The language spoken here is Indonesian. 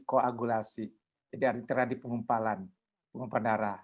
koagulasi jadi terjadi pengumpalan pengumpulan darah